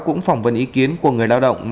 cũng phỏng vấn ý kiến của người lao động